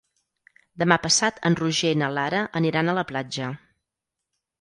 Demà passat en Roger i na Lara aniran a la platja.